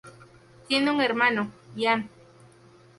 Tiene un hermano, Ian.